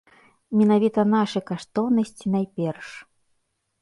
Менавіта нашы каштоўнасці найперш.